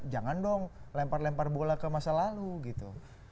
jangan dong lempar lempar bola ke masa lalu gitu